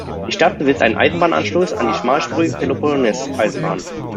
Die Stadt besitzt einen Eisenbahnanschluss an die schmalspurige Peloponnes-Eisenbahn.